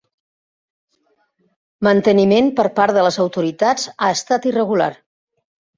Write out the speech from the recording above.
Manteniment per part de les autoritats ha estat irregular.